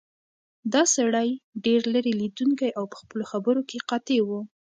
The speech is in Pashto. دا سړی ډېر لیرې لیدونکی او په خپلو خبرو کې قاطع و.